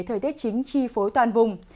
thời tiết chính chi phối toàn vùng